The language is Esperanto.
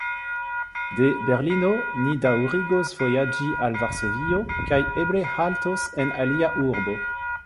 De Berlino ni daŭrigos vojaĝi al Varsovio kaj eble haltos en alia urbo.